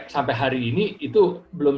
sampai hari ini itu belum